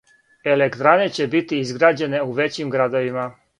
Електране ће бити изграђене у већим градовима.